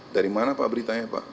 dari mana pak beritanya pak